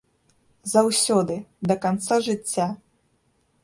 Заўсёды, да канца жыцця!